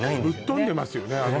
ぶっ飛んでますよね